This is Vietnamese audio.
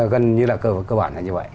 gần như là cơ bản là như vậy